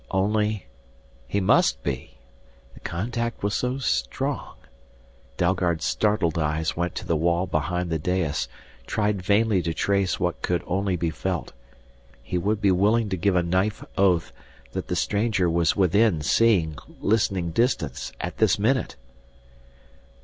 Only he must be! The contact was so strong Dalgard's startled eyes went to the wall behind the dais, tried vainly to trace what could only be felt. He would be willing to give a knife oath that the stranger was within seeing, listening distance at this minute!